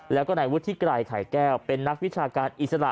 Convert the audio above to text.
แล้วก็นายวุฒิไกรไข่แก้วเป็นนักวิชาการอิสระ